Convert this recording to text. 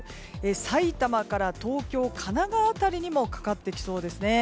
埼玉から東京、神奈川辺りにもかかってきそうですね。